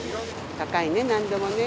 高いね、なんでもね。